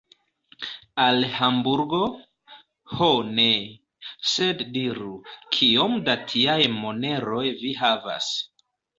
Al Hamburgo? Ho ne; sed diru, kiom da tiaj moneroj vi havas.